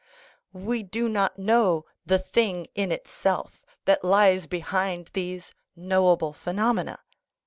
We do not know the " thing in itself " that lies behind these knowable phenomena.